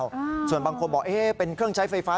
อืมส่วนบางคนบอกเอ๊ะเป็นเครื่องใช้ไฟฟ้า